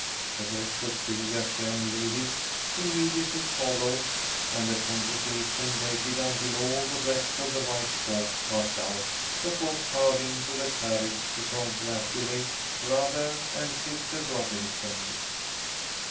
The rest of Sylvia's young ladies immediately followed, and the congregation waited until all the rest of the white folks passed out, before crowding to the carriage to congratulate "Brothah and Sistah Robinson."